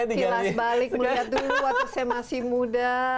kilas balik melihat dulu waktu saya masih muda